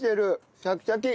シャキシャキ。